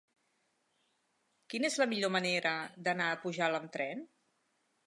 Quina és la millor manera d'anar a Pujalt amb tren?